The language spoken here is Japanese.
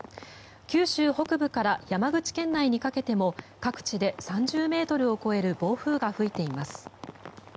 九州北部から山口県内にかけても各地で３０ｍを超える暴風が吹いています。